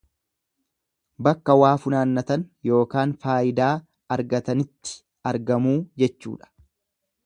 Bakka waa funaannatan ykn faayidaa argatanitti argamuu jechuudha.